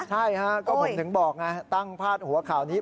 ใช่ฮะก็ผมถึงบอกไงตั้งพาดหัวข่าวนี้